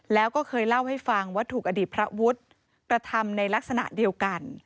แล้วก็เคยเล่าให้ฟังว่าถูกอดีตพระวุฒิกระทำในลักษณะเดียวกัน